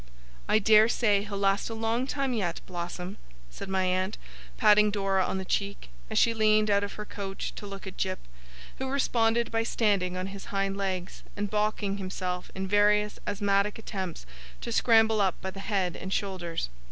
'I dare say he'll last a long time yet, Blossom,' said my aunt, patting Dora on the cheek, as she leaned out of her couch to look at Jip, who responded by standing on his hind legs, and baulking himself in various asthmatic attempts to scramble up by the head and shoulders.